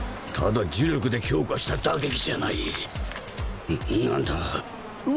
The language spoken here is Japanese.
ただ呪力で強化した打撃じゃない。